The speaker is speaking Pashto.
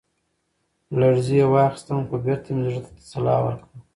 لـړزې واخيسـتم ، خـو بـېرته مـې زړه تـه تـسلا ورکړه.